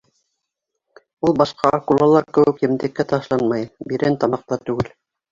Ул башҡа акулалар кеүек емтеккә ташланмай, бирән тамаҡ та түгел.